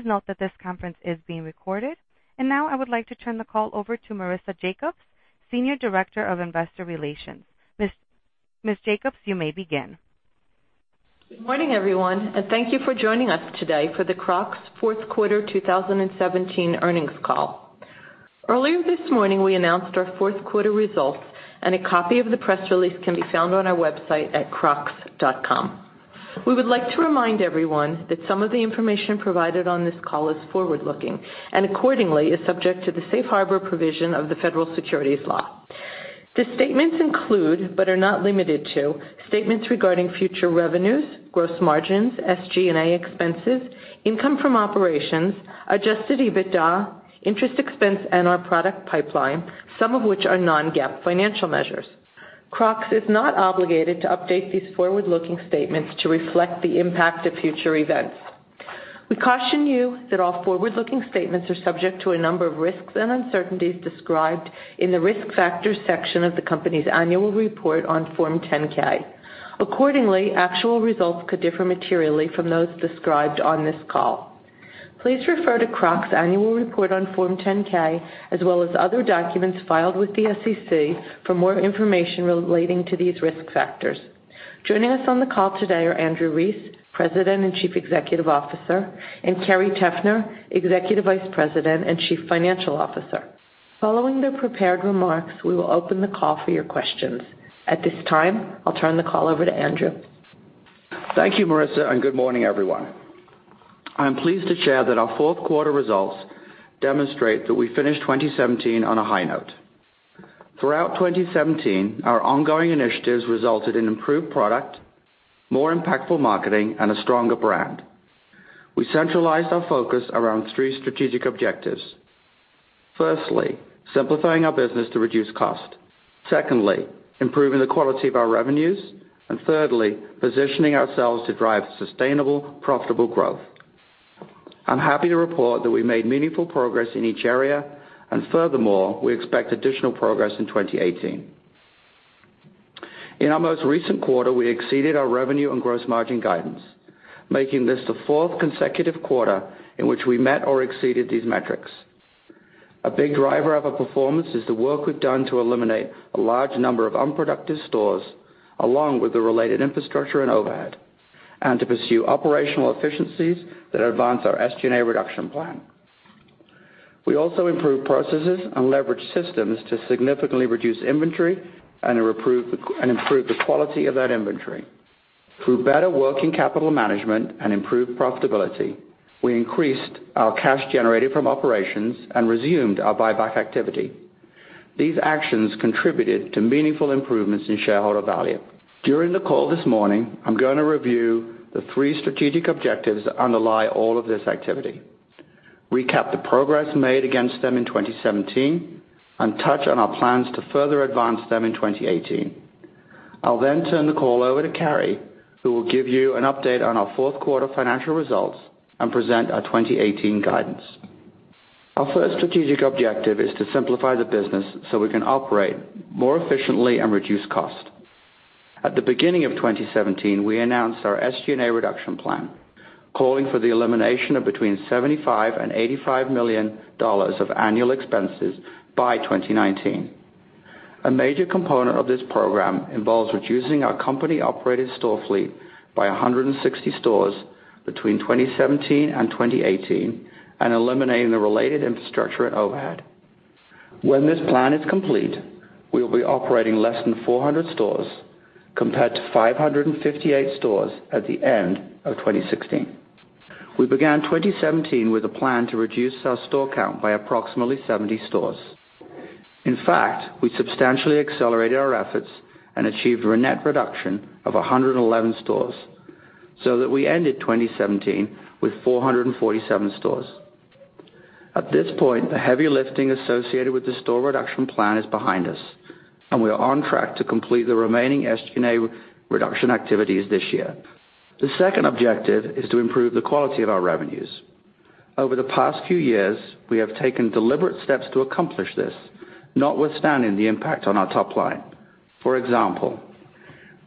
Please note that this conference is being recorded. Now I would like to turn the call over to Marisa Jacobs, Senior Director of Investor Relations. Ms. Jacobs, you may begin. Good morning, everyone, and thank you for joining us today for the Crocs fourth quarter 2017 earnings call. Earlier this morning, we announced our fourth quarter results, and a copy of the press release can be found on our website at crocs.com. We would like to remind everyone that some of the information provided on this call is forward-looking and accordingly is subject to the safe harbor provision of the Federal Securities law. The statements include, but are not limited to, statements regarding future revenues, gross margins, SG&A expenses, income from operations, adjusted EBITDA, interest expense, and our product pipeline, some of which are non-GAAP financial measures. Crocs is not obligated to update these forward-looking statements to reflect the impact of future events. We caution you that all forward-looking statements are subject to a number of risks and uncertainties described in the Risk Factors section of the company's annual report on Form 10-K. Accordingly, actual results could differ materially from those described on this call. Please refer to Crocs Annual Report on Form 10-K, as well as other documents filed with the SEC for more information relating to these risk factors. Joining us on the call today are Andrew Rees, President and Chief Executive Officer, and Carrie Teffner, Executive Vice President and Chief Financial Officer. Following their prepared remarks, we will open the call for your questions. At this time, I'll turn the call over to Andrew. Thank you, Marisa, and good morning, everyone. I'm pleased to share that our fourth quarter results demonstrate that we finished 2017 on a high note. Throughout 2017, our ongoing initiatives resulted in improved product, more impactful marketing, and a stronger brand. We centralized our focus around three strategic objectives. Firstly, simplifying our business to reduce cost. Secondly, improving the quality of our revenues. And thirdly, positioning ourselves to drive sustainable, profitable growth. I'm happy to report that we made meaningful progress in each area, and furthermore, we expect additional progress in 2018. In our most recent quarter, we exceeded our revenue and gross margin guidance, making this the fourth consecutive quarter in which we met or exceeded these metrics. A big driver of our performance is the work we've done to eliminate a large number of unproductive stores, along with the related infrastructure and overhead, and to pursue operational efficiencies that advance our SG&A reduction plan. We also improved processes and leveraged systems to significantly reduce inventory and improve the quality of that inventory. Through better working capital management and improved profitability, we increased our cash generated from operations and resumed our buyback activity. These actions contributed to meaningful improvements in shareholder value. During the call this morning, I'm going to review the three strategic objectives that underlie all of this activity, recap the progress made against them in 2017, and touch on our plans to further advance them in 2018. I'll then turn the call over to Carrie, who will give you an update on our fourth quarter financial results and present our 2018 guidance. Our first strategic objective is to simplify the business so we can operate more efficiently and reduce cost. At the beginning of 2017, we announced our SG&A reduction plan, calling for the elimination of between $75 million and $85 million of annual expenses by 2019. A major component of this program involves reducing our company-operated store fleet by 160 stores between 2017 and 2018 and eliminating the related infrastructure and overhead. When this plan is complete, we will be operating less than 400 stores compared to 558 stores at the end of 2016. We began 2017 with a plan to reduce our store count by approximately 70 stores. In fact, we substantially accelerated our efforts and achieved a net reduction of 111 stores, so that we ended 2017 with 447 stores. At this point, the heavy lifting associated with the store reduction plan is behind us, and we are on track to complete the remaining SG&A reduction activities this year. The second objective is to improve the quality of our revenues. Over the past few years, we have taken deliberate steps to accomplish this, notwithstanding the impact on our top line. For example,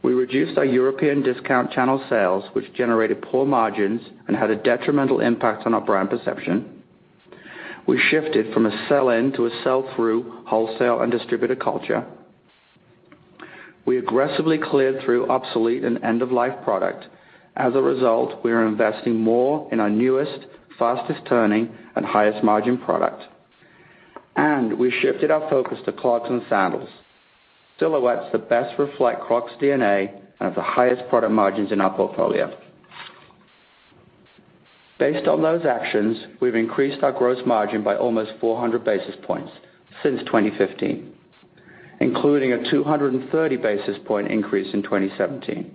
we reduced our European discount channel sales, which generated poor margins and had a detrimental impact on our brand perception. We shifted from a sell-in to a sell-through wholesale and distributor culture. We aggressively cleared through obsolete and end-of-life product. As a result, we are investing more in our newest, fastest-turning, and highest-margin product. We shifted our focus to clogs and sandals, silhouettes that best reflect Crocs DNA and have the highest product margins in our portfolio. Based on those actions, we've increased our gross margin by almost 400 basis points since 2015, including a 230 basis point increase in 2017.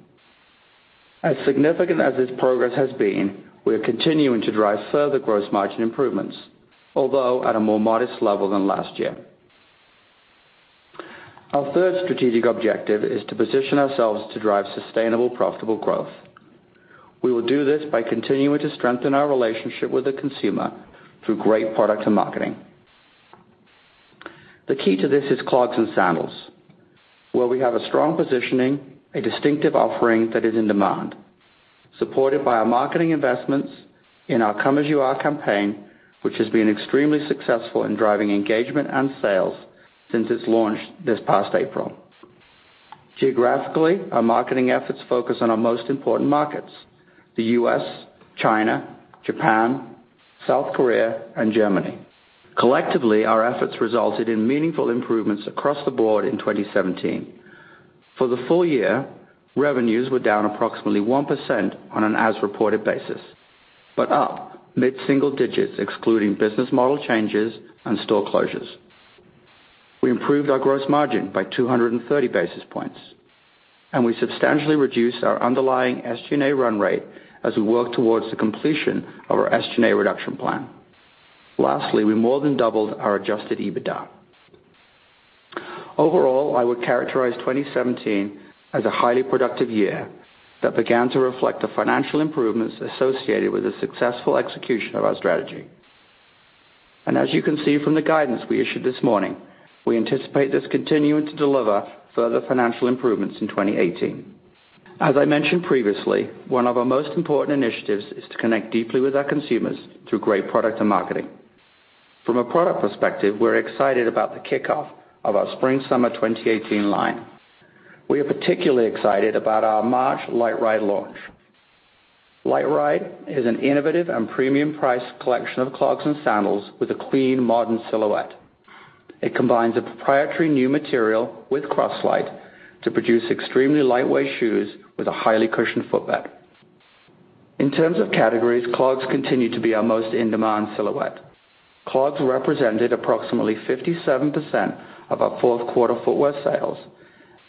As significant as this progress has been, we are continuing to drive further gross margin improvements, although at a more modest level than last year. Our third strategic objective is to position ourselves to drive sustainable, profitable growth. We will do this by continuing to strengthen our relationship with the consumer through great product and marketing. The key to this is clogs and sandals, where we have a strong positioning, a distinctive offering that is in demand, supported by our marketing investments in our Come As You Are campaign, which has been extremely successful in driving engagement and sales since its launch this past April. Geographically, our marketing efforts focus on our most important markets, the U.S., China, Japan, South Korea, and Germany. Collectively, our efforts resulted in meaningful improvements across the board in 2017. For the full year, revenues were down approximately 1% on an as-reported basis, but up mid-single digits excluding business model changes and store closures. We improved our gross margin by 230 basis points, and we substantially reduced our underlying SG&A run rate as we work towards the completion of our SG&A reduction plan. Lastly, we more than doubled our adjusted EBITDA. Overall, I would characterize 2017 as a highly productive year that began to reflect the financial improvements associated with the successful execution of our strategy. As you can see from the guidance we issued this morning, we anticipate this continuing to deliver further financial improvements in 2018. As I mentioned previously, one of our most important initiatives is to connect deeply with our consumers through great product and marketing. From a product perspective, we're excited about the kickoff of our spring/summer 2018 line. We are particularly excited about our March LiteRide launch. LiteRide is an innovative and premium-priced collection of clogs and sandals with a clean, modern silhouette. It combines a proprietary new material with Croslite to produce extremely lightweight shoes with a highly cushioned footbed. In terms of categories, clogs continue to be our most in-demand silhouette. Clogs represented approximately 57% of our fourth quarter footwear sales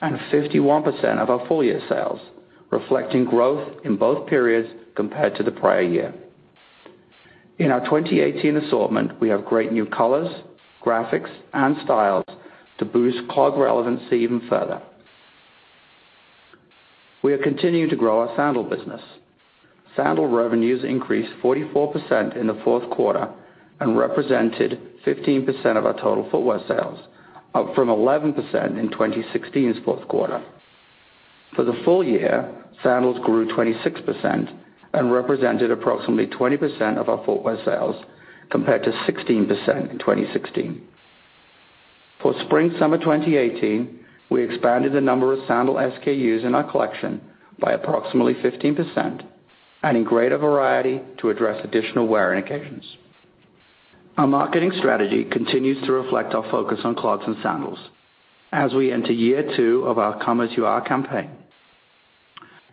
and 51% of our full year sales, reflecting growth in both periods compared to the prior year. In our 2018 assortment, we have great new colors, graphics, and styles to boost clog relevancy even further. We are continuing to grow our sandal business. Sandal revenues increased 44% in the fourth quarter and represented 15% of our total footwear sales, up from 11% in 2016's fourth quarter. For the full year, sandals grew 26% and represented approximately 20% of our footwear sales, compared to 16% in 2016. For spring/summer 2018, we expanded the number of sandal SKUs in our collection by approximately 15%, adding greater variety to address additional wear indications. Our marketing strategy continues to reflect our focus on clogs and sandals as we enter year two of our Come As You Are campaign.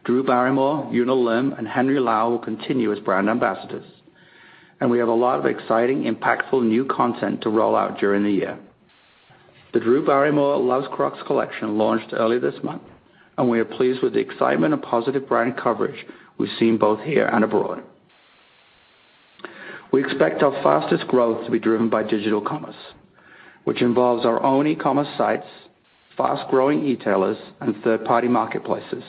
Drew Barrymore, Yoona Lim, and Henry Lau will continue as brand ambassadors. We have a lot of exciting, impactful new content to roll out during the year. The Drew Barrymore Loves Crocs collection launched earlier this month. We are pleased with the excitement and positive brand coverage we've seen both here and abroad. We expect our fastest growth to be driven by digital commerce, which involves our own e-commerce sites, fast-growing e-tailers, and third-party marketplaces.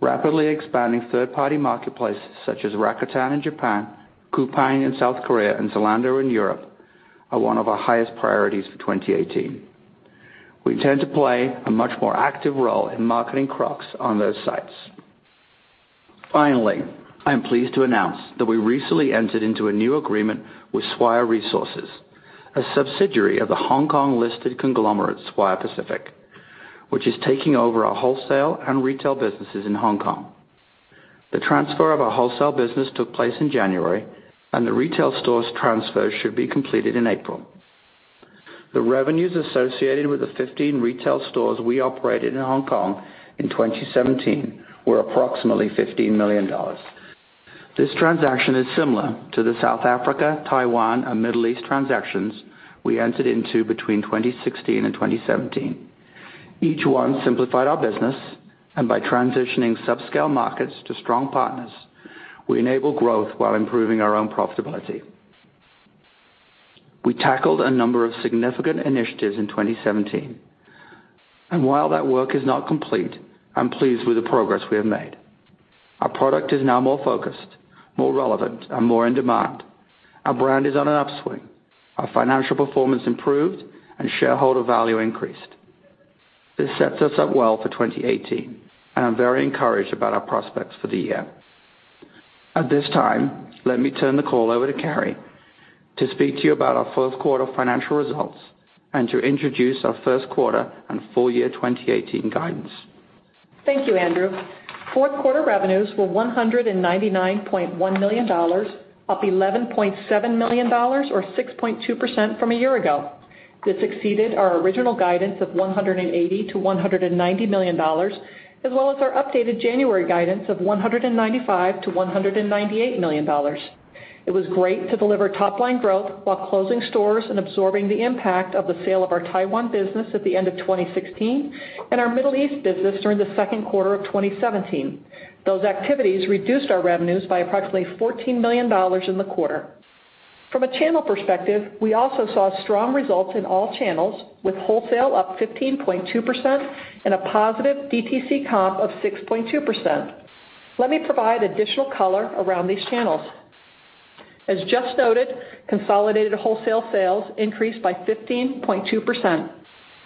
Rapidly expanding third-party marketplaces such as Rakuten in Japan, Coupang in South Korea, and Zalando in Europe are one of our highest priorities for 2018. We intend to play a much more active role in marketing Crocs on those sites. Finally, I am pleased to announce that we recently entered into a new agreement with Swire Resources, a subsidiary of the Hong Kong-listed conglomerate Swire Pacific, which is taking over our wholesale and retail businesses in Hong Kong. The transfer of our wholesale business took place in January. The retail stores transfer should be completed in April. The revenues associated with the 15 retail stores we operated in Hong Kong in 2017 were approximately $15 million. This transaction is similar to the South Africa, Taiwan, and Middle East transactions we entered into between 2016 and 2017. Each one simplified our business. By transitioning subscale markets to strong partners, we enable growth while improving our own profitability. We tackled a number of significant initiatives in 2017. While that work is not complete, I'm pleased with the progress we have made. Our product is now more focused, more relevant, and more in demand. Our brand is on an upswing. Our financial performance improved. Shareholder value increased. This sets us up well for 2018. I'm very encouraged about our prospects for the year. At this time, let me turn the call over to Carrie to speak to you about our fourth quarter financial results and to introduce our first quarter and full year 2018 guidance. Thank you, Andrew. Fourth quarter revenues were $199.1 million, up $11.7 million, or 6.2%, from a year ago. This exceeded our original guidance of $180 million-$190 million, as well as our updated January guidance of $195 million-$198 million. It was great to deliver top-line growth while closing stores and absorbing the impact of the sale of our Taiwan business at the end of 2016 and our Middle East business during the second quarter of 2017. Those activities reduced our revenues by approximately $14 million in the quarter. From a channel perspective, we also saw strong results in all channels, with wholesale up 15.2% and a positive DTC comp of 6.2%. Let me provide additional color around these channels. As just noted, consolidated wholesale sales increased by 15.2%.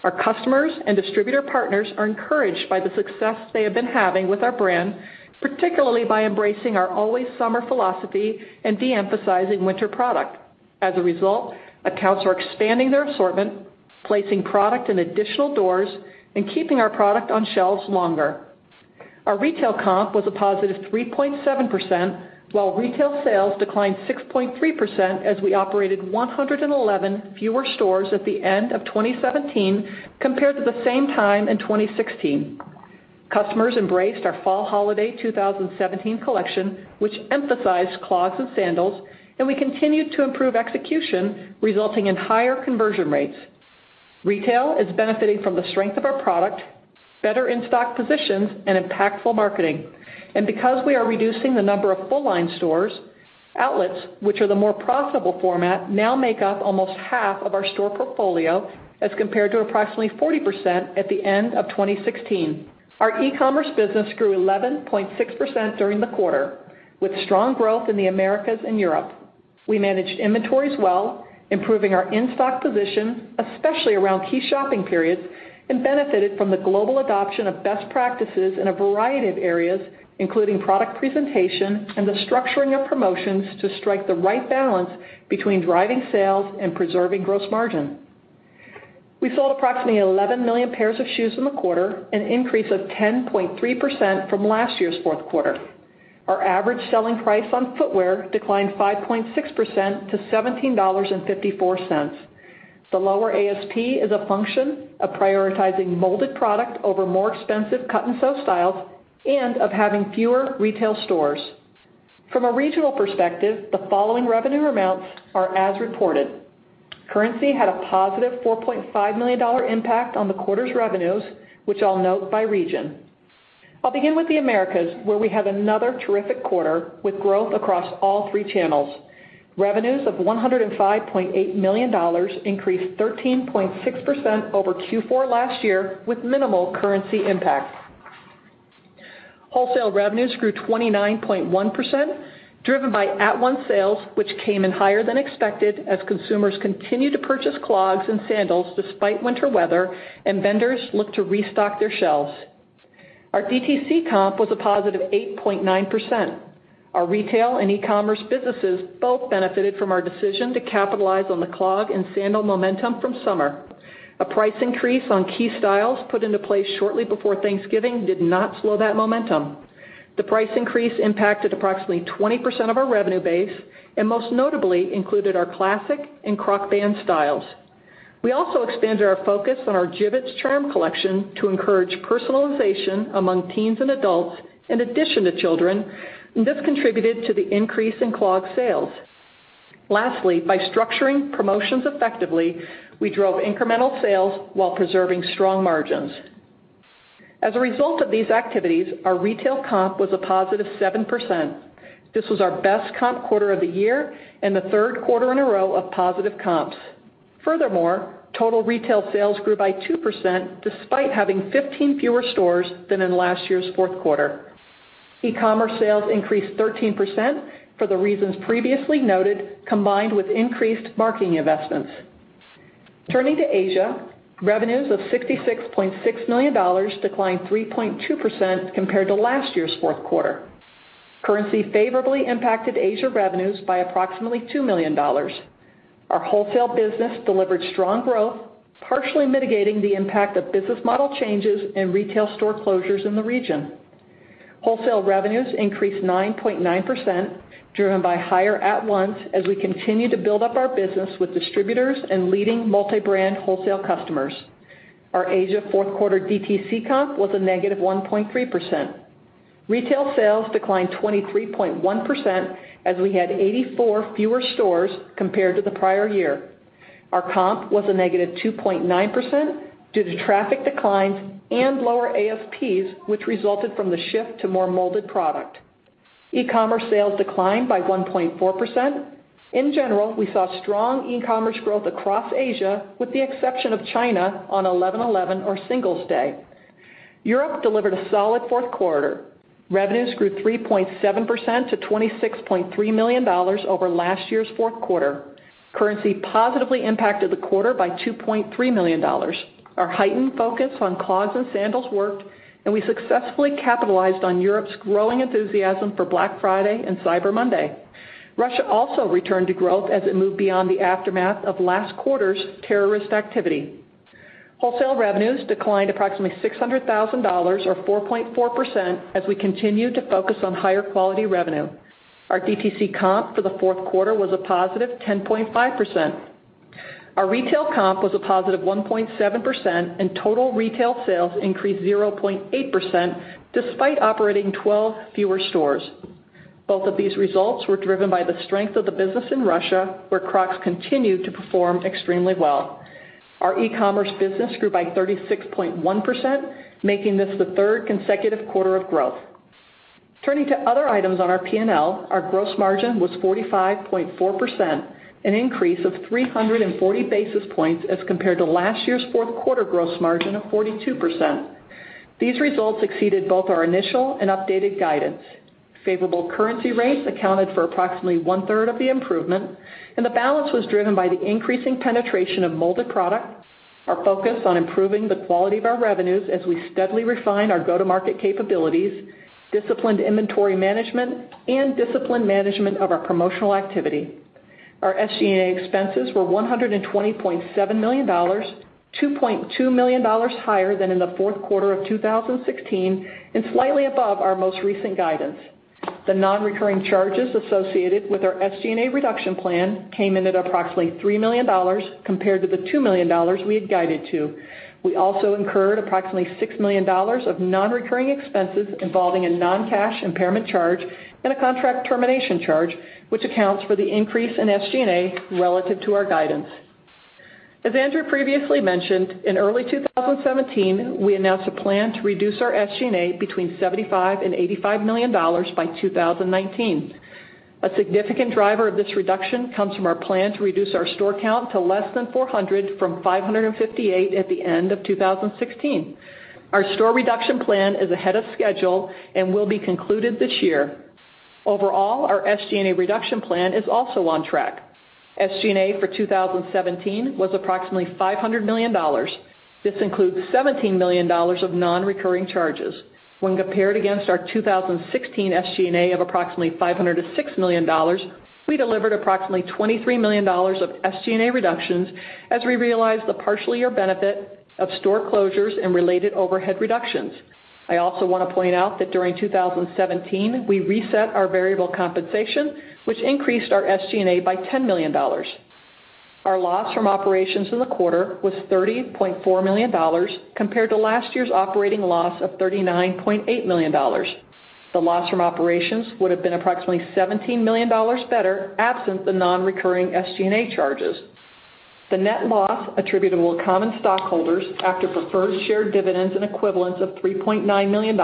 Our customers and distributor partners are encouraged by the success they have been having with our brand, particularly by embracing our Always Summer philosophy and de-emphasizing winter product. As a result, accounts are expanding their assortment, placing product in additional doors, and keeping our product on shelves longer. Our retail comp was a positive 3.7%, while retail sales declined 6.3% as we operated 111 fewer stores at the end of 2017 compared to the same time in 2016. Customers embraced our Fall Holiday 2017 collection, which emphasized clogs and sandals. We continued to improve execution, resulting in higher conversion rates. Retail is benefiting from the strength of our product, better in-stock positions, and impactful marketing. Because we are reducing the number of full-line stores, outlets, which are the more profitable format, now make up almost half of our store portfolio as compared to approximately 40% at the end of 2016. Our e-commerce business grew 11.6% during the quarter, with strong growth in the Americas and Europe. We managed inventories well, improving our in-stock position, especially around key shopping periods. Benefited from the global adoption of best practices in a variety of areas, including product presentation and the structuring of promotions to strike the right balance between driving sales and preserving gross margin. We sold approximately 11 million pairs of shoes in the quarter, an increase of 10.3% from last year's fourth quarter. Our average selling price on footwear declined 5.6% to $17.54. The lower ASP is a function of prioritizing molded product over more expensive cut and sew styles and of having fewer retail stores. From a regional perspective, the following revenue amounts are as reported. Currency had a positive $4.5 million impact on the quarter's revenues, which I'll note by region. I'll begin with the Americas, where we had another terrific quarter with growth across all three channels. Revenues of $105.8 million increased 13.6% over Q4 last year, with minimal currency impact. Wholesale revenues grew 29.1%, driven by at-once sales, which came in higher than expected as consumers continued to purchase clogs and sandals despite winter weather and vendors looked to restock their shelves. Our DTC comp was a positive 8.9%. Our retail and e-commerce businesses both benefited from our decision to capitalize on the clog and sandal momentum from summer. A price increase on key styles put into place shortly before Thanksgiving did not slow that momentum. The price increase impacted approximately 20% of our revenue base and most notably included our Classic and Crocband styles. We also expanded our focus on our Jibbitz charm collection to encourage personalization among teens and adults in addition to children, and this contributed to the increase in clog sales. Lastly, by structuring promotions effectively, we drove incremental sales while preserving strong margins. As a result of these activities, our retail comp was a positive 7%. This was our best comp quarter of the year and the third quarter in a row of positive comps. Furthermore, total retail sales grew by 2% despite having 15 fewer stores than in last year's fourth quarter. E-commerce sales increased 13% for the reasons previously noted, combined with increased marketing investments. Turning to Asia, revenues of $66.6 million declined 3.2% compared to last year's fourth quarter. Currency favorably impacted Asia revenues by approximately $2 million. Our wholesale business delivered strong growth, partially mitigating the impact of business model changes and retail store closures in the region. Wholesale revenues increased 9.9%, driven by higher at-once as we continue to build up our business with distributors and leading multi-brand wholesale customers. Our Asia fourth quarter DTC comp was a negative 1.3%. Retail sales declined 23.1% as we had 84 fewer stores compared to the prior year. Our comp was a negative 2.9% due to traffic declines and lower ASPs, which resulted from the shift to more molded product. E-commerce sales declined by 1.4%. In general, we saw strong e-commerce growth across Asia, with the exception of China on 11.11 or Singles Day. Europe delivered a solid fourth quarter. Revenues grew 3.7% to $26.3 million over last year's fourth quarter. Currency positively impacted the quarter by $2.3 million. Our heightened focus on clogs and sandals worked, and we successfully capitalized on Europe's growing enthusiasm for Black Friday and Cyber Monday. Russia also returned to growth as it moved beyond the aftermath of last quarter's terrorist activity. Wholesale revenues declined approximately $600,000, or 4.4%, as we continued to focus on higher quality revenue. Our DTC comp for the fourth quarter was a positive 10.5%. Our retail comp was a positive 1.7%, and total retail sales increased 0.8% despite operating 12 fewer stores. Both of these results were driven by the strength of the business in Russia, where Crocs continued to perform extremely well. Our e-commerce business grew by 36.1%, making this the third consecutive quarter of growth. Turning to other items on our P&L, our gross margin was 45.4%, an increase of 340 basis points as compared to last year's fourth quarter gross margin of 42%. These results exceeded both our initial and updated guidance. Favorable currency rates accounted for approximately one-third of the improvement, and the balance was driven by the increasing penetration of molded products, our focus on improving the quality of our revenues as we steadily refine our go-to-market capabilities, disciplined inventory management, and disciplined management of our promotional activity. Our SG&A expenses were $120.7 million, $2.2 million higher than in the fourth quarter of 2016 and slightly above our most recent guidance. The non-recurring charges associated with our SG&A reduction plan came in at approximately $3 million, compared to the $2 million we had guided to. We also incurred approximately $6 million of non-recurring expenses involving a non-cash impairment charge and a contract termination charge, which accounts for the increase in SG&A relative to our guidance. As Andrew previously mentioned, in early 2017, we announced a plan to reduce our SG&A between $75 million and $85 million by 2019. A significant driver of this reduction comes from our plan to reduce our store count to less than 400 from 558 at the end of 2016. Our store reduction plan is ahead of schedule and will be concluded this year. Overall, our SG&A reduction plan is also on track. SG&A for 2017 was approximately $500 million. This includes $17 million of non-recurring charges. When compared against our 2016 SG&A of approximately $506 million, we delivered approximately $23 million of SG&A reductions as we realized the partial year benefit of store closures and related overhead reductions. I also want to point out that during 2017, we reset our variable compensation, which increased our SG&A by $10 million. Our loss from operations in the quarter was $30.4 million, compared to last year's operating loss of $39.8 million. The loss from operations would've been approximately $17 million better absent the non-recurring SG&A charges. The net loss attributable to common stockholders after preferred share dividends and equivalents of $3.9 million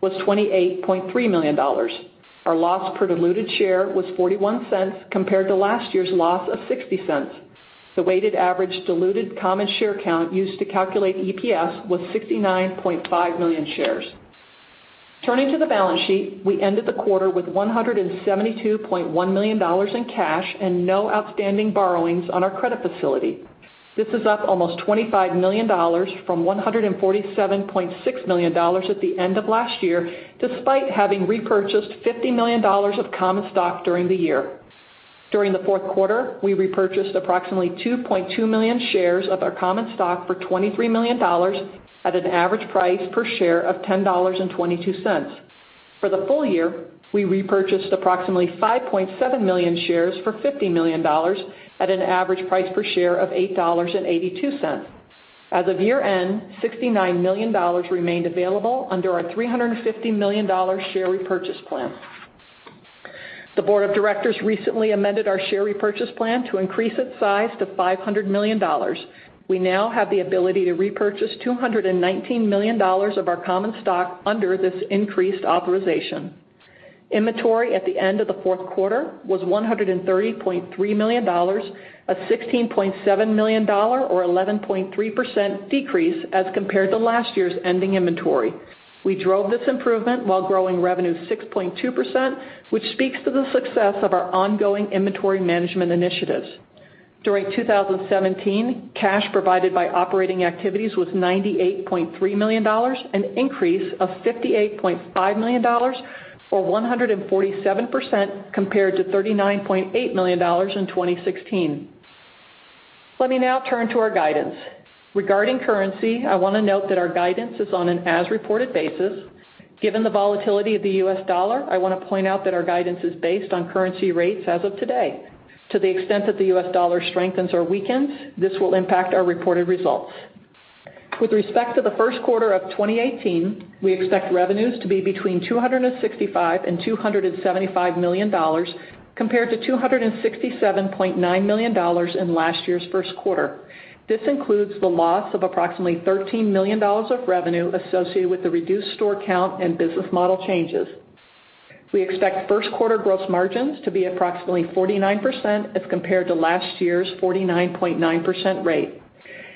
was $28.3 million. Our loss per diluted share was $0.41, compared to last year's loss of $0.60. The weighted average diluted common share count used to calculate EPS was 69.5 million shares. Turning to the balance sheet, we ended the quarter with $172.1 million in cash and no outstanding borrowings on our credit facility. This is up almost $25 million from $147.6 million at the end of last year, despite having repurchased $50 million of common stock during the year. During the fourth quarter, we repurchased approximately 2.2 million shares of our common stock for $23 million at an average price per share of $10.22. For the full year, we repurchased approximately 5.7 million shares for $50 million at an average price per share of $8.82. As of year-end, $69 million remained available under our $350 million share repurchase plan. The board of directors recently amended our share repurchase plan to increase its size to $500 million. We now have the ability to repurchase $219 million of our common stock under this increased authorization. Inventory at the end of the fourth quarter was $130.3 million, a $16.7 million or 11.3% decrease as compared to last year's ending inventory. We drove this improvement while growing revenue 6.2%, which speaks to the success of our ongoing inventory management initiatives. During 2017, cash provided by operating activities was $98.3 million, an increase of $58.5 million, or 147%, compared to $39.8 million in 2016. Let me now turn to our guidance. Regarding currency, I want to note that our guidance is on an as-reported basis. Given the volatility of the US dollar, I want to point out that our guidance is based on currency rates as of today. To the extent that the US dollar strengthens or weakens, this will impact our reported results. With respect to the first quarter of 2018, we expect revenues to be between $265 and $275 million, compared to $267.9 million in last year's first quarter. This includes the loss of approximately $13 million of revenue associated with the reduced store count and business model changes. We expect first quarter gross margins to be approximately 49% as compared to last year's 49.9% rate.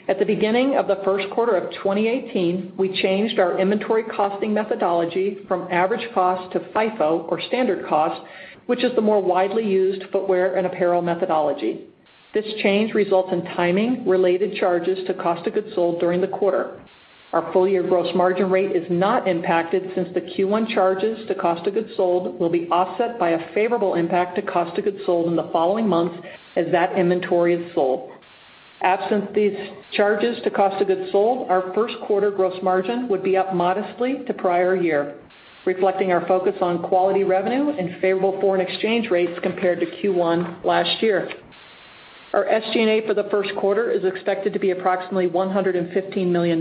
At the beginning of the first quarter of 2018, we changed our inventory costing methodology from average cost to FIFO or standard cost, which is the more widely used footwear and apparel methodology. This change results in timing related charges to cost of goods sold during the quarter. Our full-year gross margin rate is not impacted since the Q1 charges to cost of goods sold will be offset by a favorable impact to cost of goods sold in the following months as that inventory is sold. Absent these charges to cost of goods sold, our first quarter gross margin would be up modestly to prior year, reflecting our focus on quality revenue and favorable foreign exchange rates compared to Q1 last year. Our SG&A for the first quarter is expected to be approximately $115 million.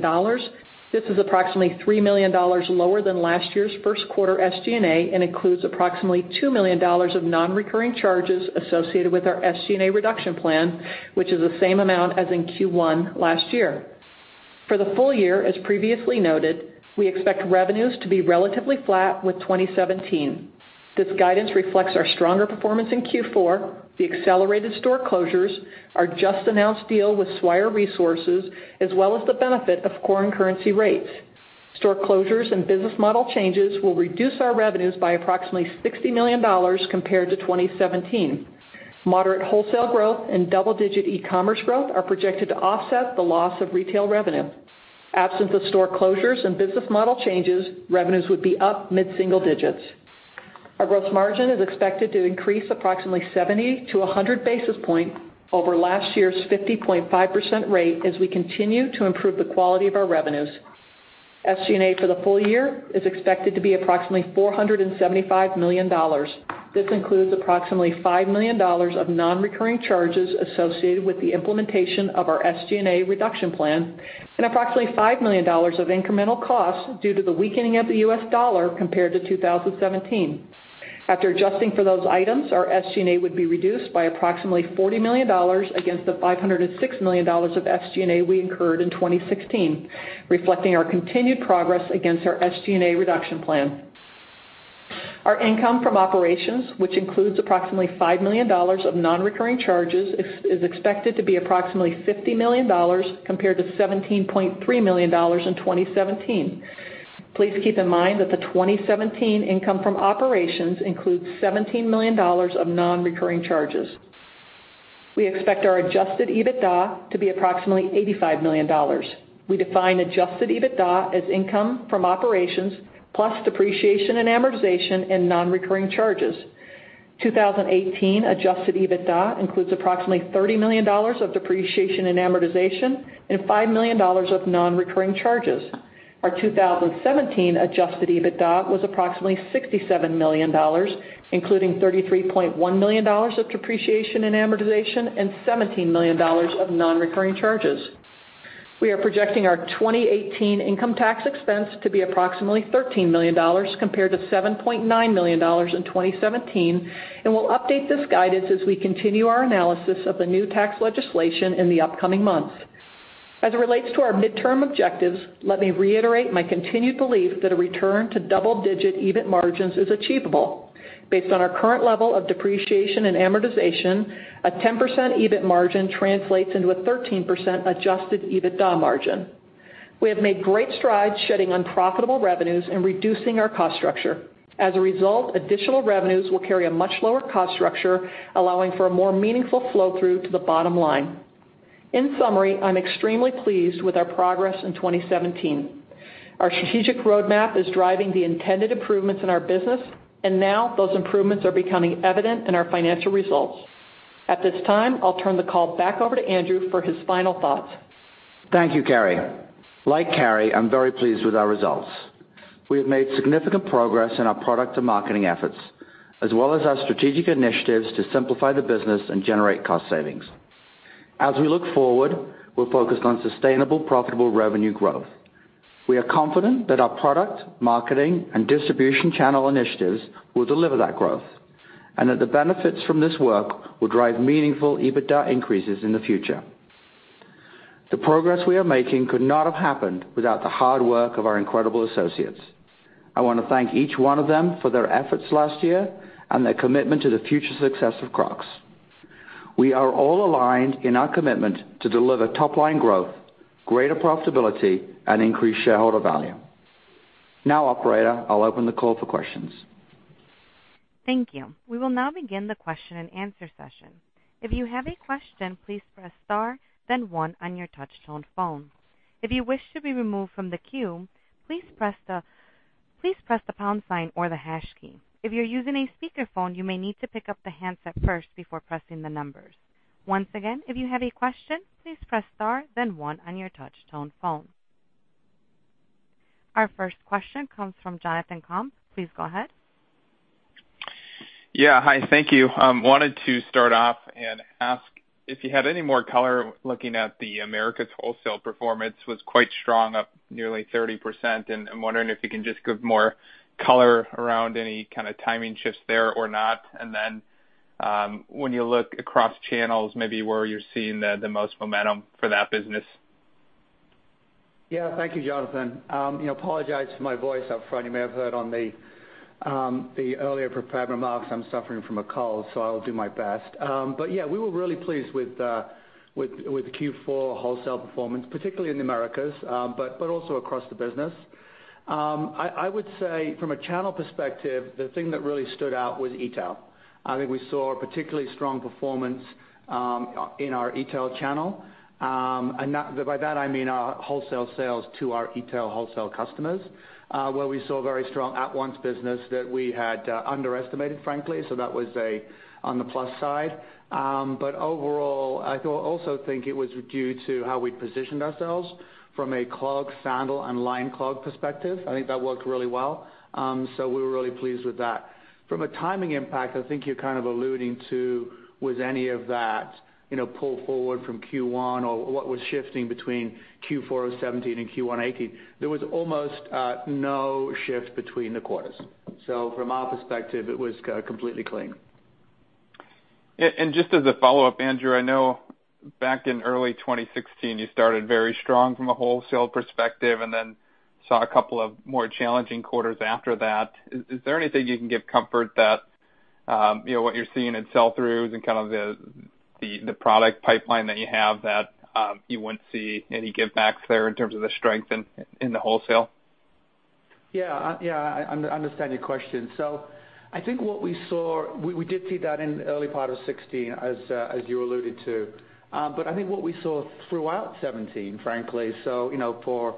This is approximately $3 million lower than last year's first quarter SG&A and includes approximately $2 million of non-recurring charges associated with our SG&A reduction plan, which is the same amount as in Q1 last year. For the full year, as previously noted, we expect revenues to be relatively flat with 2017. This guidance reflects our stronger performance in Q4, the accelerated store closures, our just-announced deal with Swire Resources, as well as the benefit of foreign currency rates. Store closures and business model changes will reduce our revenues by approximately $60 million compared to 2017. Moderate wholesale growth and double-digit e-commerce growth are projected to offset the loss of retail revenue. Absent the store closures and business model changes, revenues would be up mid-single digits. Our gross margin is expected to increase approximately 70 to 100 basis points over last year's 50.5% rate as we continue to improve the quality of our revenues. SG&A for the full year is expected to be approximately $475 million. This includes approximately $5 million of non-recurring charges associated with the implementation of our SG&A reduction plan and approximately $5 million of incremental costs due to the weakening of the US dollar compared to 2017. After adjusting for those items, our SG&A would be reduced by approximately $40 million against the $506 million of SG&A we incurred in 2016, reflecting our continued progress against our SG&A reduction plan. Our income from operations, which includes approximately $5 million of non-recurring charges, is expected to be approximately $50 million compared to $17.3 million in 2017. Please keep in mind that the 2017 income from operations includes $17 million of non-recurring charges. We expect our adjusted EBITDA to be approximately $85 million. We define adjusted EBITDA as income from operations plus depreciation and amortization and non-recurring charges. 2018 adjusted EBITDA includes approximately $30 million of depreciation and amortization and $5 million of non-recurring charges. Our 2017 adjusted EBITDA was approximately $67 million, including $33.1 million of depreciation and amortization and $17 million of non-recurring charges. We are projecting our 2018 income tax expense to be approximately $13 million compared to $7.9 million in 2017, we'll update this guidance as we continue our analysis of the new tax legislation in the upcoming months. As it relates to our midterm objectives, let me reiterate my continued belief that a return to double-digit EBIT margins is achievable. Based on our current level of depreciation and amortization, a 10% EBIT margin translates into a 13% adjusted EBITDA margin. We have made great strides shedding unprofitable revenues and reducing our cost structure. As a result, additional revenues will carry a much lower cost structure, allowing for a more meaningful flow-through to the bottom line. In summary, I'm extremely pleased with our progress in 2017. Our strategic roadmap is driving the intended improvements in our business, now those improvements are becoming evident in our financial results. At this time, I'll turn the call back over to Andrew for his final thoughts. Thank you, Carrie. Like Carrie, I'm very pleased with our results. We have made significant progress in our product and marketing efforts, as well as our strategic initiatives to simplify the business and generate cost savings. As we look forward, we're focused on sustainable, profitable revenue growth. We are confident that our product, marketing, and distribution channel initiatives will deliver that growth, that the benefits from this work will drive meaningful EBITDA increases in the future. The progress we are making could not have happened without the hard work of our incredible associates. I want to thank each one of them for their efforts last year and their commitment to the future success of Crocs. We are all aligned in our commitment to deliver top-line growth, greater profitability, and increased shareholder value. Operator, I'll open the call for questions. Thank you. We will now begin the question and answer session. If you have a question, please press star then one on your touch tone phone. If you wish to be removed from the queue, please press the pound sign or the hash key. If you're using a speakerphone, you may need to pick up the handset first before pressing the numbers. Once again, if you have a question, please press star then one on your touch tone phone. Our first question comes from Jonathan Komp. Please go ahead. Yeah. Hi. Thank you. Wanted to start off and ask if you had any more color looking at the Americas wholesale performance was quite strong, up nearly 30%. I'm wondering if you can just give more color around any kind of timing shifts there or not. When you look across channels, maybe where you're seeing the most momentum for that business. Yeah. Thank you, Jonathan. I apologize for my voice up front. You may have heard on the earlier prepared remarks, I'm suffering from a cold. I'll do my best. Yeah, we were really pleased with the Q4 wholesale performance, particularly in the Americas, but also across the business. I would say from a channel perspective, the thing that really stood out was e-tail. I think we saw a particularly strong performance in our e-tail channel. By that, I mean our wholesale sales to our e-tail wholesale customers, where we saw very strong at-once business that we had underestimated, frankly. That was on the plus side. Overall, I also think it was due to how we positioned ourselves from a clog, sandal, and line clog perspective. I think that worked really well. We were really pleased with that. From a timing impact, I think you're kind of alluding to was any of that pull forward from Q1 or what was shifting between Q4 of 2017 and Q1 2018. There was almost no shift between the quarters. From our perspective, it was completely clean. Just as a follow-up, Andrew, I know back in early 2016, you started very strong from a wholesale perspective, then saw a couple of more challenging quarters after that. Is there anything you can give comfort that what you're seeing in sell-throughs and kind of the product pipeline that you have, that you wouldn't see any give backs there in terms of the strength in the wholesale? I understand your question. I think what we saw, we did see that in the early part of 2016 as you alluded to. I think what we saw throughout 2017, frankly, for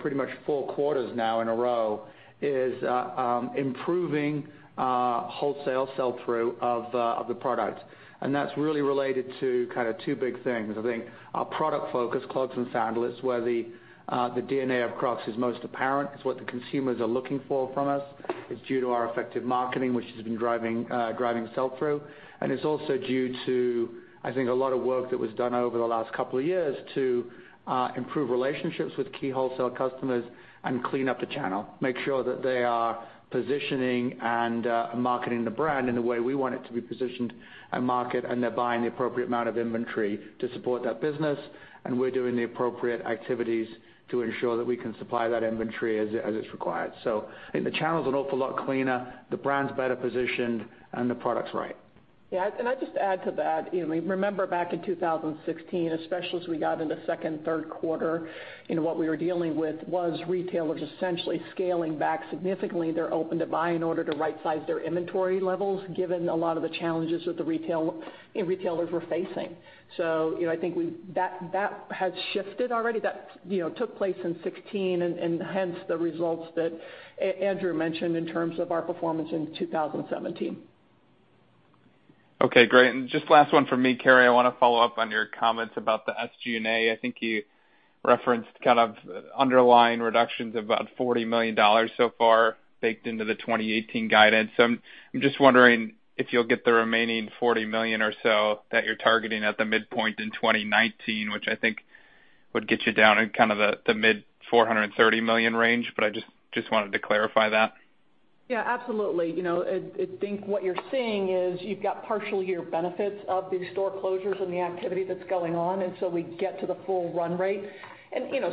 pretty much 4 quarters now in a row, is improving wholesale sell-through of the product. That's really related to kind of 2 big things. I think our product focus, clogs and sandals, where the DNA of Crocs is most apparent. It's what the consumers are looking for from us. It's due to our effective marketing, which has been driving sell-through. It's also due to, I think, a lot of work that was done over the last couple of years to improve relationships with key wholesale customers and clean up the channel, make sure that they are positioning and marketing the brand in the way we want it to be positioned and market, and they're buying the appropriate amount of inventory to support that business. We're doing the appropriate activities to ensure that we can supply that inventory as it's required. I think the channel's an awful lot cleaner, the brand's better positioned, and the product's right. Can I just add to that? Remember back in 2016, especially as we got into 2nd, 3rd quarter, what we were dealing with was retailers essentially scaling back significantly their open to buy in order to right size their inventory levels, given a lot of the challenges that the retailers were facing. I think that has shifted already. That took place in 2016 and hence the results that Andrew mentioned in terms of our performance in 2017. Okay, great. Just last one from me, Carrie. I want to follow up on your comments about the SG&A. I think you referenced kind of underlying reductions of about $40 million so far baked into the 2018 guidance. I'm just wondering if you'll get the remaining $40 million or so that you're targeting at the midpoint in 2019, which I think would get you down in kind of the mid $430 million range, I just wanted to clarify that. Yeah, absolutely. I think what you're seeing is you've got partial year benefits of these store closures and the activity that's going on, and so we get to the full run rate.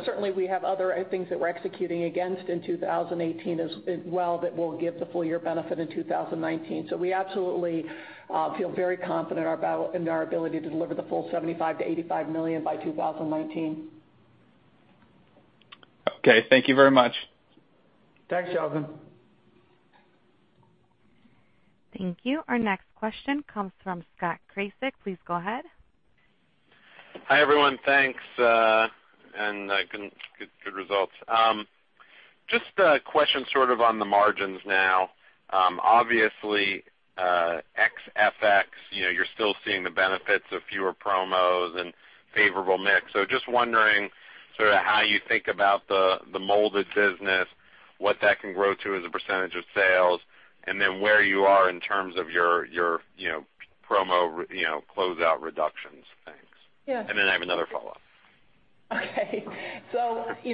Certainly we have other things that we're executing against in 2018 as well that will give the full year benefit in 2019. We absolutely feel very confident in our ability to deliver the full $75 million-$85 million by 2019. Okay. Thank you very much. Thanks, Sheldon. Thank you. Our next question comes from Scott Krasik. Please go ahead. Hi, everyone. Thanks, and good results. Just a question sort of on the margins now. Obviously, ex FX, you're still seeing the benefits of fewer promos and favorable mix. Just wondering sort of how you think about the molded business, what that can grow to as a percent of sales, and then where you are in terms of your promo closeout reductions, thanks. Yeah. I have another follow-up. Okay.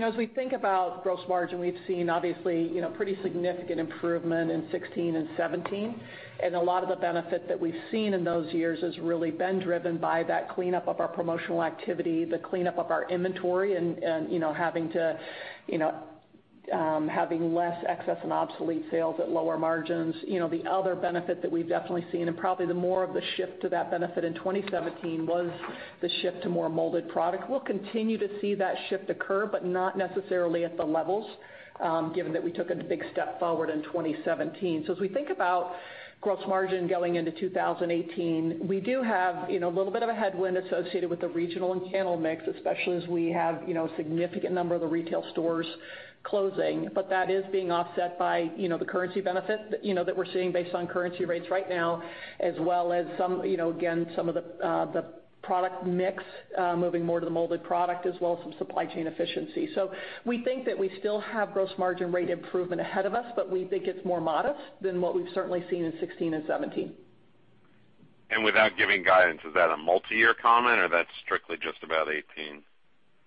As we think about gross margin, we've seen obviously pretty significant improvement in 2016 and 2017, and a lot of the benefit that we've seen in those years has really been driven by that cleanup of our promotional activity, the cleanup of our inventory, and having less excess and obsolete sales at lower margins. The other benefit that we've definitely seen, and probably the more of the shift to that benefit in 2017, was the shift to more molded product. We'll continue to see that shift occur, but not necessarily at the levels, given that we took a big step forward in 2017. As we think about gross margin going into 2018, we do have a little bit of a headwind associated with the regional and channel mix, especially as we have significant number of the retail stores closing. That is being offset by the currency benefit that we're seeing based on currency rates right now, as well as, again, some of the product mix, moving more to the molded product as well as some supply chain efficiency. We think that we still have gross margin rate improvement ahead of us, but we think it's more modest than what we've certainly seen in 2016 and 2017. Without giving guidance, is that a multi-year comment or that is strictly just about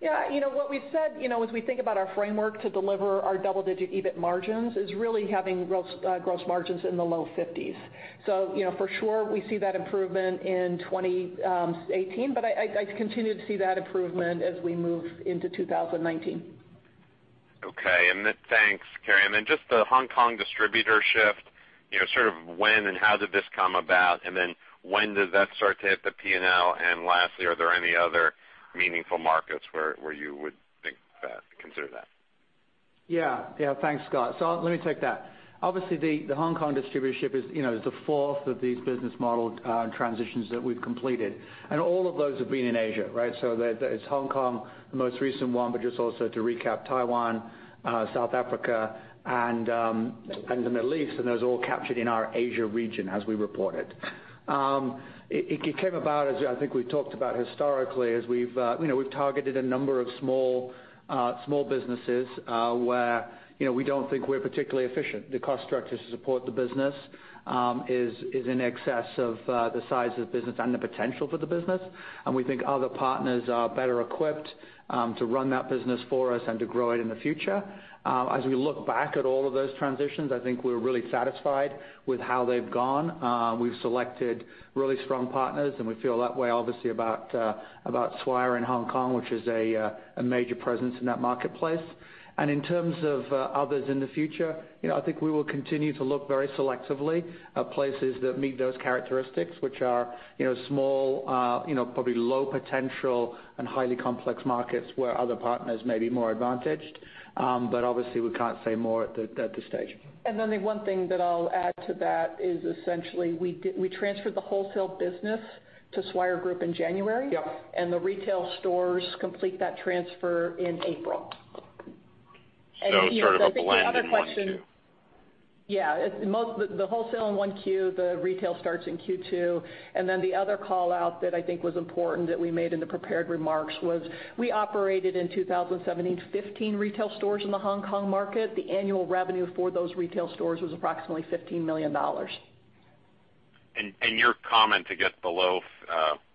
2018? Yeah. What we said as we think about our framework to deliver our double-digit EBIT margins, is really having gross margins in the low 50s. For sure, we see that improvement in 2018, but I continue to see that improvement as we move into 2019. Okay. Thanks, Carrie. Just the Hong Kong distributor shift, sort of when and how did this come about? When does that start to hit the P&L? Lastly, are there any other meaningful markets where you would consider that. Thanks, Scott. Let me take that. Obviously, the Hong Kong distributorship is the fourth of these business model transitions that we've completed, and all of those have been in Asia, right? It's Hong Kong, the most recent one, but just also to recap, Taiwan, South Africa, and the Middle East, and those are all captured in our Asia region as we report it. It came about as, I think we've talked about historically, as we've targeted a number of small businesses, where we don't think we're particularly efficient. The cost structure to support the business is in excess of the size of the business and the potential for the business. We think other partners are better equipped to run that business for us and to grow it in the future. As we look back at all of those transitions, I think we're really satisfied with how they've gone. We've selected really strong partners, and we feel that way, obviously, about Swire in Hong Kong, which is a major presence in that marketplace. In terms of others in the future, I think we will continue to look very selectively at places that meet those characteristics. Which are small, probably low potential and highly complex markets where other partners may be more advantaged. Obviously we can't say more at this stage. The one thing that I'll add to that is essentially we transferred the wholesale business to Swire Group in January. Yeah. The retail stores complete that transfer in April. Sort of a blend in 1Q. Yeah. The wholesale in 1Q, the retail starts in Q2. The other call-out that I think was important that we made in the prepared remarks was we operated in 2017, 15 retail stores in the Hong Kong market. The annual revenue for those retail stores was approximately $15 million. Your comment to get below,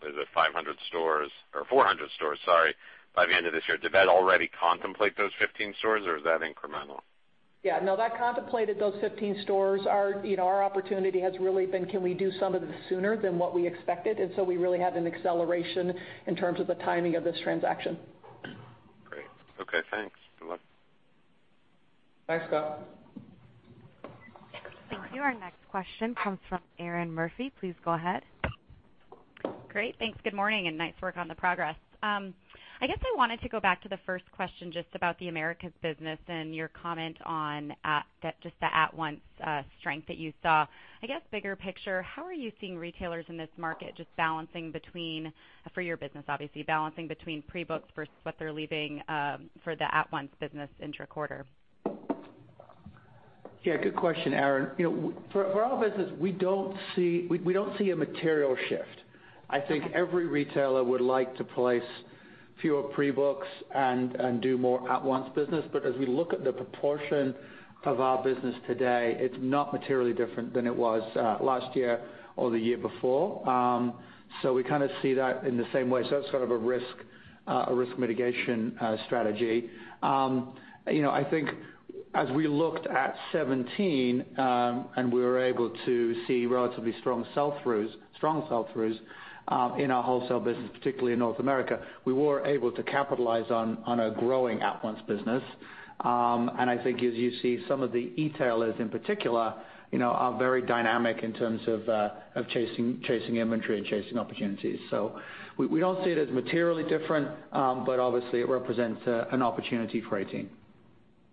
is it 500 stores or 400 stores, sorry, by the end of this year. Did that already contemplate those 15 stores or is that incremental? Yeah, no. That contemplated those 15 stores. Our opportunity has really been, can we do some of it sooner than what we expected? We really had an acceleration in terms of the timing of this transaction. Great. Okay, thanks. Good luck. Thanks, Scott. Thank you. Our next question comes from Erinn Murphy. Please go ahead. Great, thanks. Good morning, and nice work on the progress. I guess I wanted to go back to the first question, just about the Americas business and your comment on just the at-once strength that you saw. I guess, bigger picture, how are you seeing retailers in this market, just balancing between, for your business obviously, balancing between pre-books versus what they're leaving for the at-once business intra-quarter? Yeah, good question, Erinn. For our business, we don't see a material shift. I think every retailer would like to place fewer pre-books and do more at-once business. As we look at the proportion of our business today, it's not materially different than it was last year or the year before. We kind of see that in the same way. That's sort of a risk mitigation strategy. I think as we looked at 2017, and we were able to see relatively strong sell-throughs in our wholesale business, particularly in North America, we were able to capitalize on a growing at-once business. I think as you see, some of the e-tailers in particular are very dynamic in terms of chasing inventory and chasing opportunities. We don't see it as materially different, but obviously it represents an opportunity for 2018.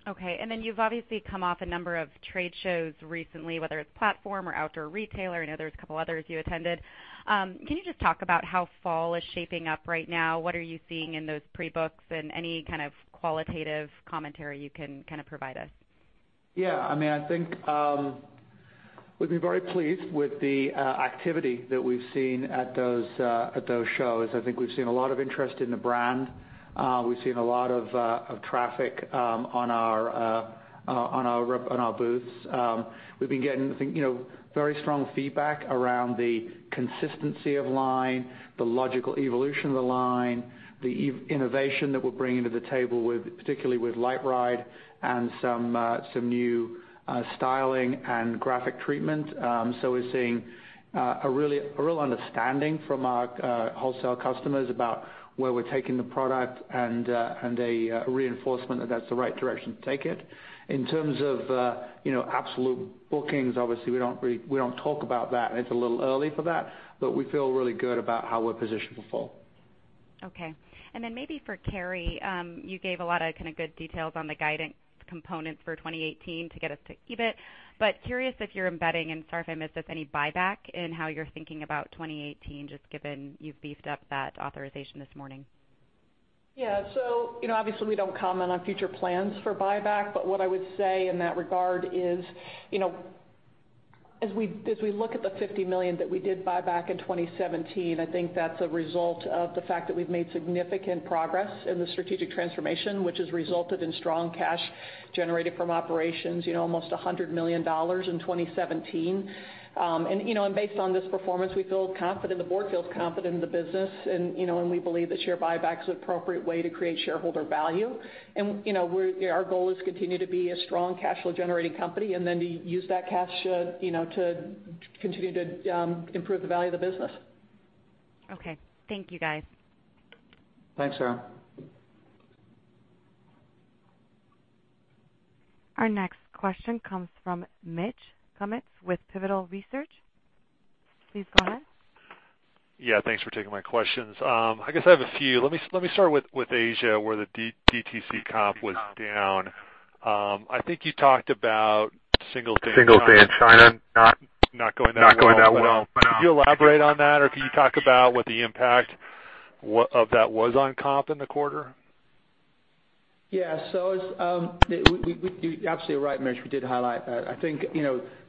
Okay. You've obviously come off a number of trade shows recently, whether it's Platform or Outdoor Retailer, I know there's a couple others you attended. Can you just talk about how fall is shaping up right now? What are you seeing in those pre-books, and any kind of qualitative commentary you can provide us? Yeah. We've been very pleased with the activity that we've seen at those shows. I think we've seen a lot of interest in the brand. We've seen a lot of traffic on our booths. We've been getting very strong feedback around the consistency of line, the logical evolution of the line, the innovation that we're bringing to the table, particularly with LiteRide and some new styling and graphic treatment. We're seeing a real understanding from our wholesale customers about where we're taking the product and a reinforcement that that's the right direction to take it. In terms of absolute bookings, obviously, we don't talk about that, and it's a little early for that, but we feel really good about how we're positioned for fall. Okay. Maybe for Carrie, you gave a lot of kind of good details on the guidance component for 2018 to get us to EBIT, but curious if you're embedding, and sorry if I missed this, any buyback in how you're thinking about 2018, just given you've beefed up that authorization this morning. Yeah. Obviously we don't comment on future plans for buyback, but what I would say in that regard is, as we look at the $50 million that we did buy back in 2017, I think that's a result of the fact that we've made significant progress in the strategic transformation, which has resulted in strong cash generated from operations. Almost $100 million in 2017. Based on this performance, we feel confident, the board feels confident in the business, and we believe that share buyback is an appropriate way to create shareholder value. Our goal is to continue to be a strong cash flow generating company and then to use that cash to continue to improve the value of the business. Okay. Thank you, guys. Thanks, Erinn. Our next question comes from Mitch Kummetz with Pivotal Research. Please go ahead. Yeah, thanks for taking my questions. I guess I have a few. Let me start with Asia, where the DTC comp was down. I think you talked about Singles Day in China. Singles Day in China not not going that well. Not going that well. Could you elaborate on that or can you talk about what the impact of that was on comp in the quarter? Yeah. You're absolutely right, Mitch, we did highlight that. I think,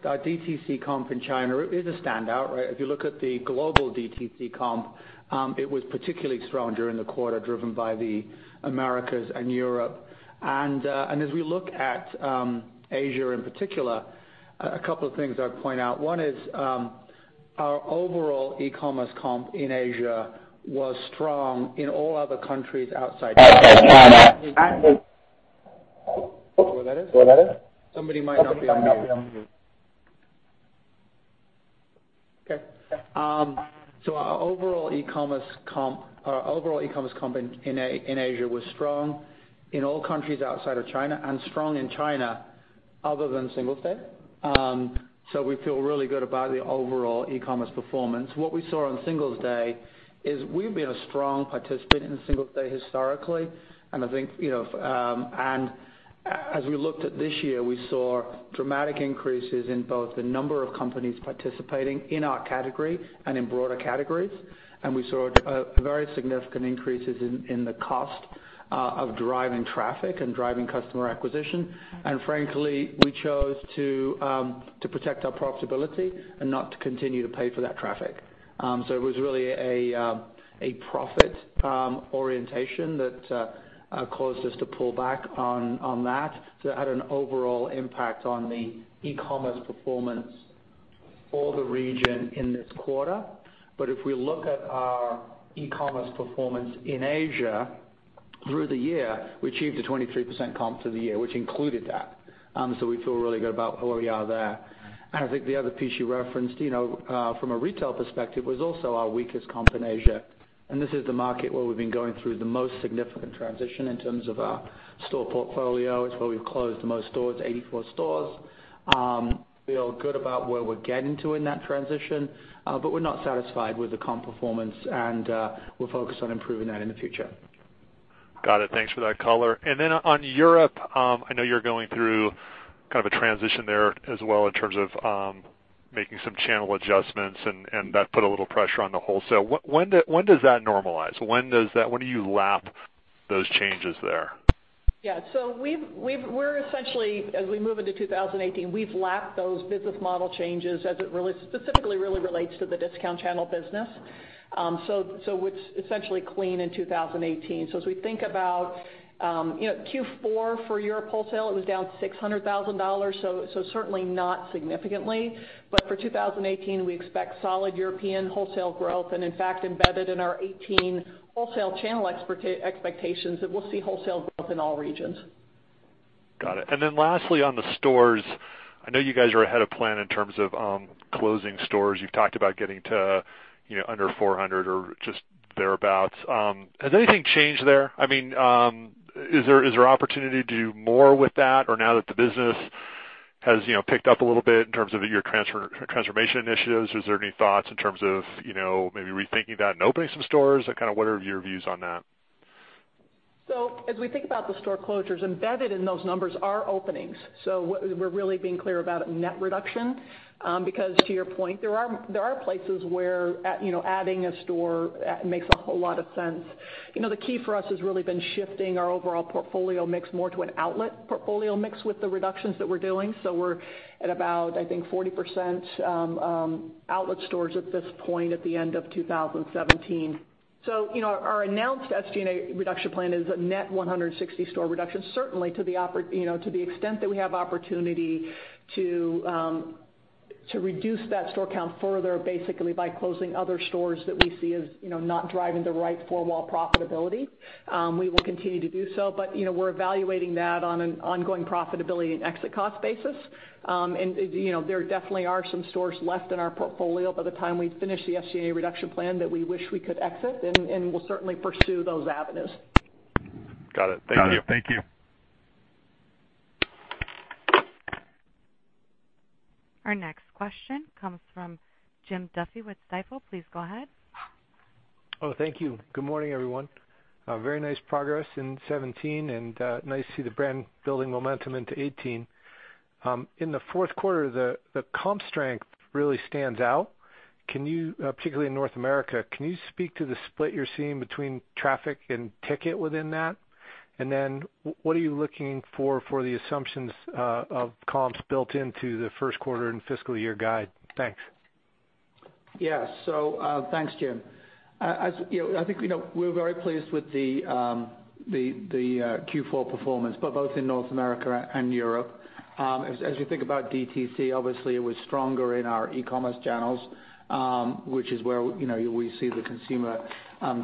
our DTC comp in China is a standout, right? If you look at the global DTC comp, it was particularly strong during the quarter, driven by the Americas and Europe. As we look at Asia in particular, a couple of things I would point out. One is, our overall e-commerce comp in Asia was strong in all other countries outside China. You know what that is? You know what that is? Somebody might not be on mute. Okay. Our overall e-commerce comp in Asia was strong in all countries outside of China, and strong in China other than Singles Day. We feel really good about the overall e-commerce performance. What we saw on Singles Day is we've been a strong participant in Singles Day historically, and as we looked at this year, we saw dramatic increases in both the number of companies participating in our category and in broader categories. We saw very significant increases in the cost of driving traffic and driving customer acquisition. Frankly, we chose to protect our profitability and not to continue to pay for that traffic. It was really a profit orientation that caused us to pull back on that. It had an overall impact on the e-commerce performance for the region in this quarter. If we look at our e-commerce performance in Asia through the year, we achieved a 23% comp for the year, which included that. We feel really good about where we are there. I think the other piece you referenced, from a retail perspective, was also our weakest comp in Asia. This is the market where we've been going through the most significant transition in terms of our store portfolio. It's where we've closed the most stores, 84 stores. Feel good about where we're getting to in that transition, but we're not satisfied with the comp performance and we're focused on improving that in the future. Got it. Thanks for that color. On Europe, I know you're going through a transition there as well in terms of making some channel adjustments and that put a little pressure on the wholesale. When does that normalize? When do you lap those changes there? Yeah. We're essentially, as we move into 2018, we've lapped those business model changes as it specifically really relates to the discount channel business. It's essentially clean in 2018. As we think about Q4 for Europe wholesale, it was down $600,000. Certainly not significantly. For 2018, we expect solid European wholesale growth and in fact embedded in our 2018 wholesale channel expectations that we'll see wholesale growth in all regions. Got it. Lastly on the stores, I know you guys are ahead of plan in terms of closing stores. You've talked about getting to under 400 or just thereabout. Has anything changed there? Is there opportunity to do more with that or now that the business has picked up a little bit in terms of your transformation initiatives, is there any thoughts in terms of maybe rethinking that and opening some stores? What are your views on that? As we think about the store closures, embedded in those numbers are openings. We're really being clear about net reduction, because to your point, there are places where adding a store makes a whole lot of sense. The key for us has really been shifting our overall portfolio mix more to an outlet portfolio mix with the reductions that we're doing. We're at about, I think, 40% outlet stores at this point at the end of 2017. Our announced SG&A reduction plan is a net 160 store reduction. Certainly to the extent that we have opportunity to reduce that store count further basically by closing other stores that we see as not driving the right four-wall profitability, we will continue to do so. We're evaluating that on an ongoing profitability and exit cost basis. There definitely are some stores left in our portfolio by the time we finish the SG&A reduction plan that we wish we could exit, and we'll certainly pursue those avenues. Got it. Thank you. Got it. Thank you. Our next question comes from Jim Duffy with Stifel. Please go ahead. Thank you. Good morning, everyone. A very nice progress in 2017 and nice to see the brand building momentum into 2018. In the fourth quarter, the comp strength really stands out, particularly in North America. Can you speak to the split you're seeing between traffic and ticket within that? What are you looking for the assumptions of comps built into the first quarter and fiscal year guide? Thanks. Yeah. Thanks, Jim. I think we're very pleased with the Q4 performance, but both in North America and Europe. As you think about DTC, obviously it was stronger in our e-commerce channels, which is where we see the consumer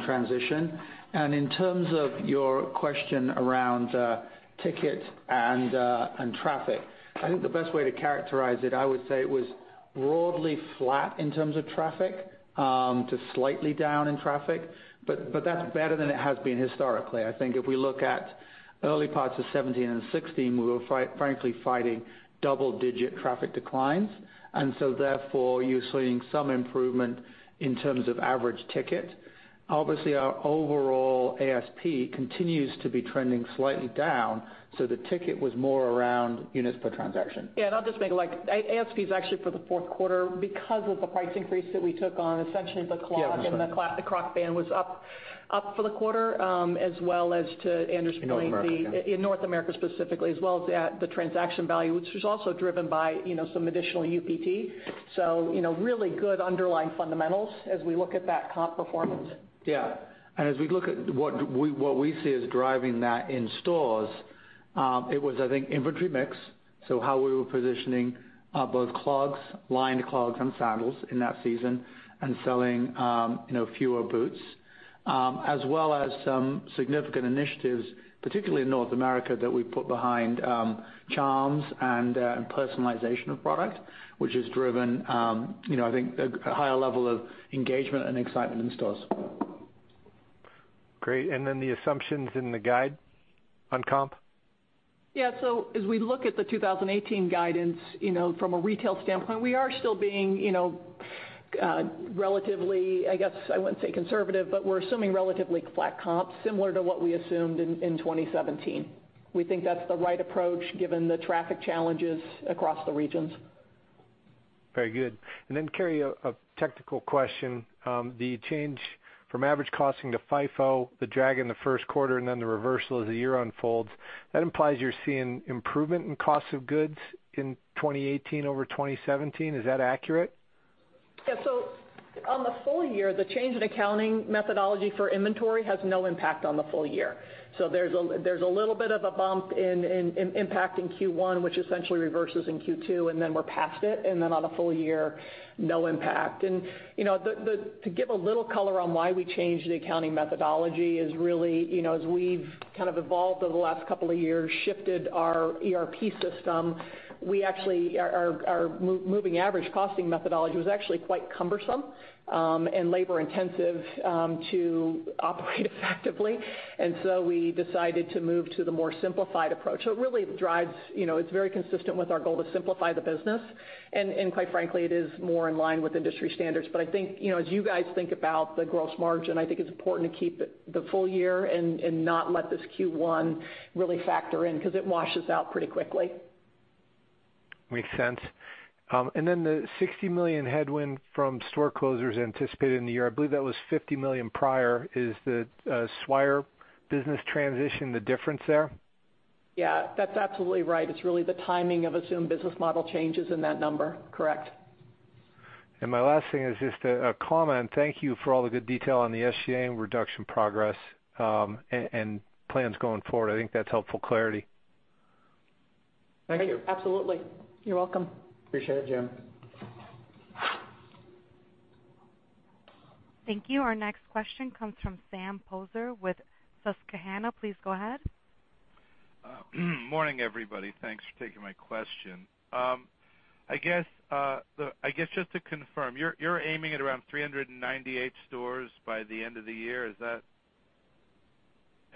transition. In terms of your question around ticket and traffic, I think the best way to characterize it, I would say it was broadly flat in terms of traffic, to slightly down in traffic. That's better than it has been historically. I think if we look at early parts of 2017 and 2016, we were frankly fighting double-digit traffic declines. Therefore, you're seeing some improvement in terms of average ticket. Obviously, our overall ASP continues to be trending slightly down, so the ticket was more around units per transaction. Yeah. I'll just make ASP is actually for the fourth quarter. Because of the price increase that we took on, essentially the clog- Yeah, that's right The Crocband was up for the quarter, as well as to Andrew's point. North America In North America specifically, as well as the transaction value, which was also driven by some additional UPT. Really good underlying fundamentals as we look at that comp performance. Yeah. As we look at what we see is driving that in stores, it was, I think, inventory mix. How we were positioning both clogs, lined clogs and sandals in that season and selling fewer boots. As well as some significant initiatives, particularly in North America, that we put behind charms and personalization of product, which has driven I think a higher level of engagement and excitement in stores. Great. The assumptions in the guide on comp? As we look at the 2018 guidance, from a retail standpoint, we are still being relatively, I guess I wouldn't say conservative, but we're assuming relatively flat comps, similar to what we assumed in 2017. We think that's the right approach given the traffic challenges across the regions. Very good. Carrie, a technical question. The change from average costing to FIFO, the drag in the first quarter, and then the reversal as the year unfolds, that implies you're seeing improvement in cost of goods in 2018 over 2017. Is that accurate? On the full year, the change in accounting methodology for inventory has no impact on the full year. There's a little bit of a bump in impact in Q1, which essentially reverses in Q2, we're past it, on a full year, no impact. To give a little color on why we changed the accounting methodology is really, as we've kind of evolved over the last couple of years, shifted our ERP system, our moving average costing methodology was actually quite cumbersome and labor intensive to operate effectively. We decided to move to the more simplified approach. It really it's very consistent with our goal to simplify the business. Quite frankly, it is more in line with industry standards. I think, as you guys think about the gross margin, I think it's important to keep the full year and not let this Q1 really factor in because it washes out pretty quickly. Makes sense. The $60 million headwind from store closures anticipated in the year, I believe that was $50 million prior. Is the Swire business transition the difference there? That's absolutely right. It's really the timing of assumed business model changes in that number. Correct. My last thing is just a comment. Thank you for all the good detail on the SG&A reduction progress and plans going forward. I think that's helpful clarity. Thank you. Absolutely. You're welcome. Appreciate it, Jim. Thank you. Our next question comes from Sam Poser with Susquehanna. Please go ahead. Morning, everybody. Thanks for taking my question. I guess just to confirm, you're aiming at around 398 stores by the end of the year. Yes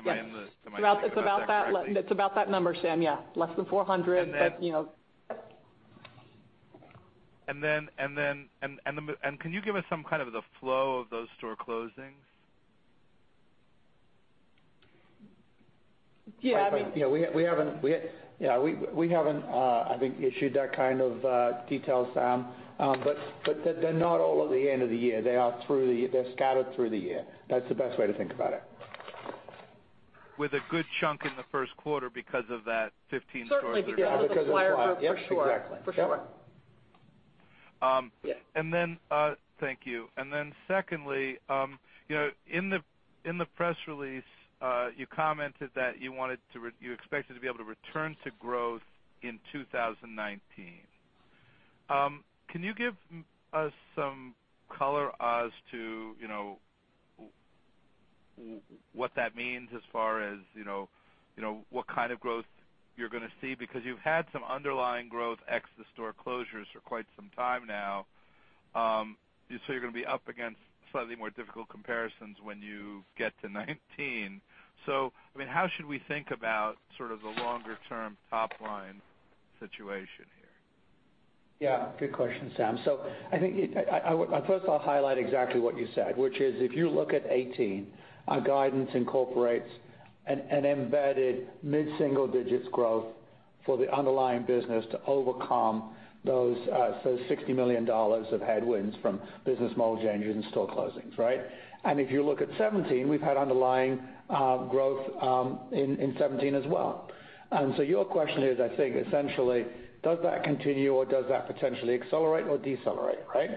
Am I in that correctly? It's about that number, Sam. Yeah. Less than 400. Then. You know. Can you give us some kind of the flow of those store closings? Yeah, I mean. Yeah. We haven't I think issued that kind of detail, Sam. They're not all at the end of the year. They're scattered through the year. That's the best way to think about it. With a good chunk in the first quarter because of that 15 stores. Certainly because of the Swire Group, for sure. Yeah, because of the Swire. Yep. Exactly. For sure. Yeah. Thank you. Secondly, in the press release, you commented that you expected to be able to return to growth in 2019. Can you give us some color as to what that means as far as what kind of growth you're going to see? Because you've had some underlying growth ex the store closures for quite some time now. You're going to be up against slightly more difficult comparisons when you get to 2019. I mean, how should we think about sort of the longer-term top-line situation here? Yeah. Good question, Sam. I think, first I'll highlight exactly what you said, which is if you look at 2018, our guidance incorporates an embedded mid-single-digit growth for the underlying business to overcome those, $60 million of headwinds from business model changes and store closings, right? If you look at 2017, we've had underlying growth in 2017 as well. Your question is, I think essentially, does that continue or does that potentially accelerate or decelerate, right?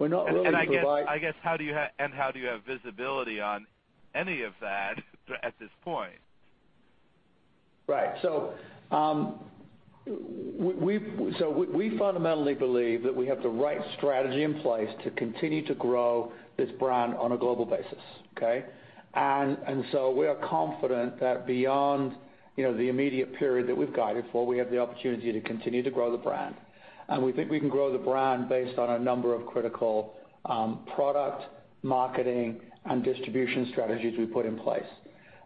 We're not really I guess, how do you have visibility on any of that at this point? Right. We fundamentally believe that we have the right strategy in place to continue to grow this brand on a global basis. Okay? We are confident that beyond the immediate period that we've guided for, we have the opportunity to continue to grow the brand. We think we can grow the brand based on a number of critical product, marketing, and distribution strategies we put in place.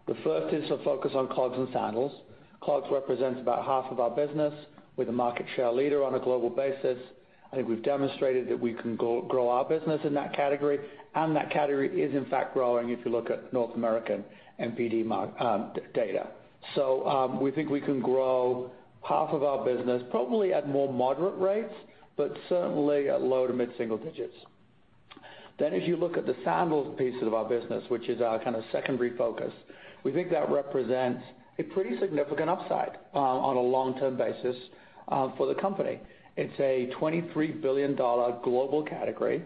The first is a focus on clogs and sandals. Clogs represents about half of our business. We're the market share leader on a global basis. I think we've demonstrated that we can grow our business in that category, and that category is, in fact, growing if you look at North American NPD data. We think we can grow half of our business, probably at more moderate rates, but certainly at low to mid-single digits. As you look at the sandals pieces of our business, which is our kind of secondary focus, we think that represents a pretty significant upside on a long-term basis for the company. It's a $23 billion global category.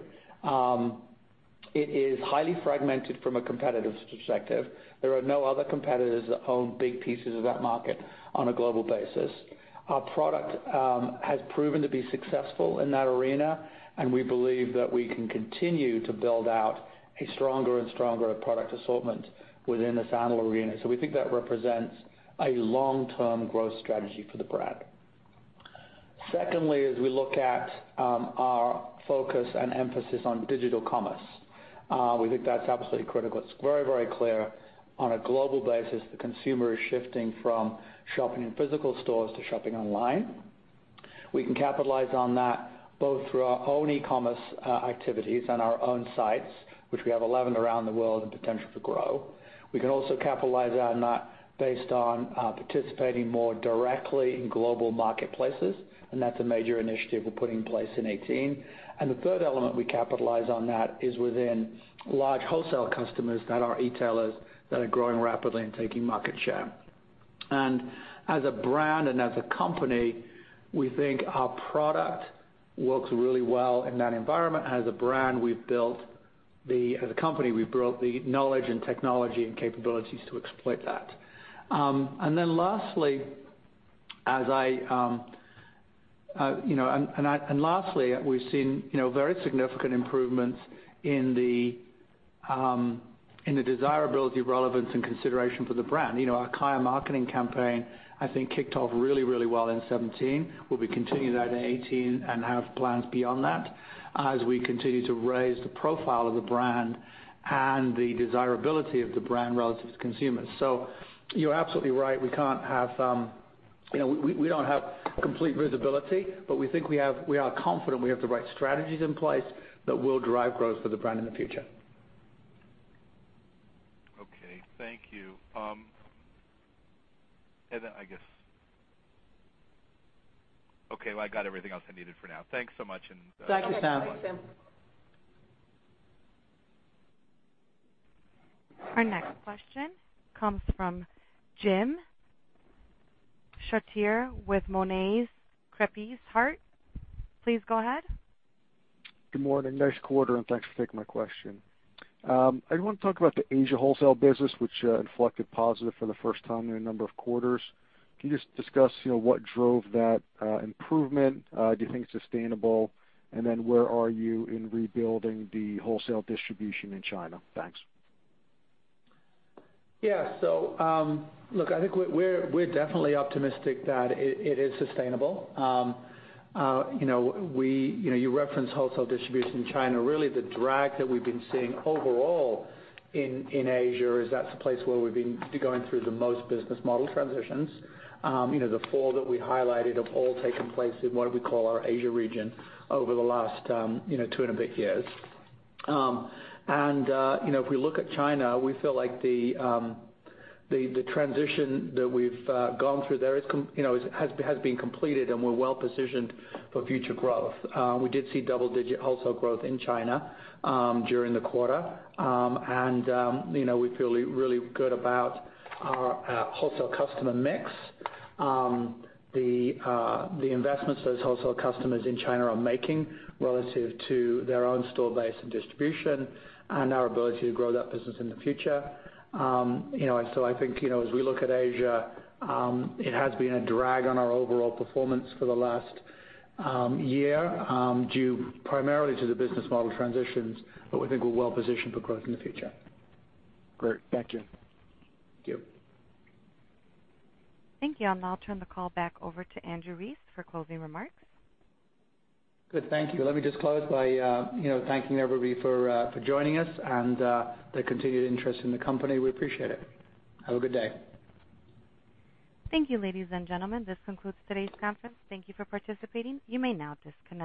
It is highly fragmented from a competitive perspective. There are no other competitors that own big pieces of that market on a global basis. Our product has proven to be successful in that arena, and we believe that we can continue to build out a stronger and stronger product assortment within the sandal arena. We think that represents a long-term growth strategy for the brand. Secondly, as we look at our focus and emphasis on digital commerce, we think that's absolutely critical. It's very clear on a global basis, the consumer is shifting from shopping in physical stores to shopping online. We can capitalize on that both through our own e-commerce activities on our own sites, which we have 11 around the world and potential to grow. We can also capitalize on that based on participating more directly in global marketplaces, and that's a major initiative we're putting in place in 2018. The third element we capitalize on that is within large wholesale customers that are e-tailers that are growing rapidly and taking market share. As a brand and as a company, we think our product works really well in that environment. As a brand, and as a company, we've built the knowledge and technology and capabilities to exploit that. Lastly, we've seen very significant improvements in the desirability, relevance, and consideration for the brand. Our CAYA marketing campaign, I think kicked off really well in 2017, will be continuing that in 2018 and have plans beyond that as we continue to raise the profile of the brand and the desirability of the brand relative to consumers. You're absolutely right. We don't have complete visibility, but we are confident we have the right strategies in place that will drive growth for the brand in the future. Okay. Thank you. I guess Okay, well, I got everything else I needed for now. Thanks so much. Thank you, Sam. Thanks, Sam. Our next question comes from Jim Chartier with Monness, Crespi, Hardt. Please go ahead. Good morning. Nice quarter, and thanks for taking my question. I want to talk about the Asia wholesale business, which inflected positive for the first time in a number of quarters. Can you just discuss what drove that improvement? Do you think it's sustainable? Where are you in rebuilding the wholesale distribution in China? Thanks. I think we're definitely optimistic that it is sustainable. You referenced wholesale distribution in China. Really the drag that we've been seeing overall in Asia is that's the place where we've been going through the most business model transitions. The fall that we highlighted have all taken place in what we call our Asia region over the last two and a bit years. If we look at China, we feel like the transition that we've gone through there has been completed, and we're well-positioned for future growth. We did see double-digit wholesale growth in China during the quarter. We feel really good about our wholesale customer mix. The investments those wholesale customers in China are making relative to their own store base and distribution and our ability to grow that business in the future. I think, as we look at Asia, it has been a drag on our overall performance for the last year due primarily to the business model transitions, but we think we're well positioned for growth in the future. Great. Thank you. Thank you. Thank you. I'll now turn the call back over to Andrew Rees for closing remarks. Good. Thank you. Let me just close by thanking everybody for joining us and the continued interest in the company. We appreciate it. Have a good day. Thank you, ladies and gentlemen. This concludes today's conference. Thank you for participating. You may now disconnect.